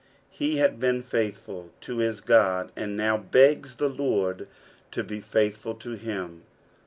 He had been faith ful to his God, and now begs the Lord to be faithful to him.